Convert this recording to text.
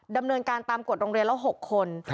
ดำเนินการตามกฎโรงเรียนแล้ว๖คน